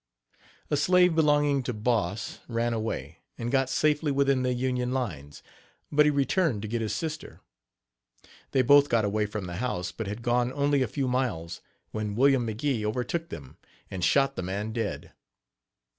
A slave belonging to Boss, ran away, and got safely within the Union lines; but he returned to get his sister. They both got away from the house, but had gone only a few miles, when William McGee overtook them, and shot the man dead.